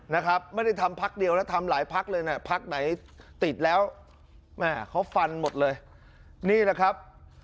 นะครับไม่ได้ทำพักเดียวแล้วทำหลายพักเลยนะพักไหนติดแล้วแม่เขาฟันหมดเลยนี่แหละครับ